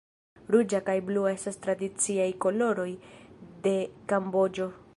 Ruĝa kaj blua estas tradiciaj koloroj de Kamboĝo.